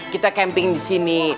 kita camping di sini